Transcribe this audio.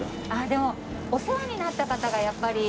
でもお世話になった方がやっぱり。